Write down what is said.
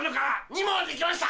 ２問できました。